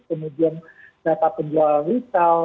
kemudian data penjualan retail